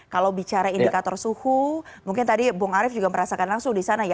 kalau bicara indikator suhu mungkin tadi bung arief juga merasakan langsung di sana ya